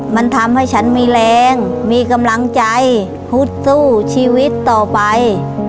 มันทำให้ฉันมีแรงมีกำลังใจฮุดสู้ชีวิตต่อไป